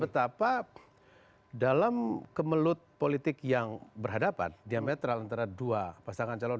betapa dalam kemelut politik yang berhadapan diametral antara dua pasangan calon